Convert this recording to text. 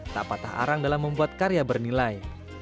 tak patah arang dalam membuat karya bernilai